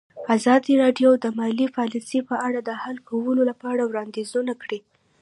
ازادي راډیو د مالي پالیسي په اړه د حل کولو لپاره وړاندیزونه کړي.